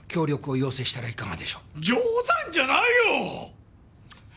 冗談じゃないよ！